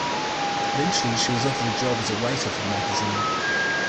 Eventually she was offered a job as a writer for the magazine.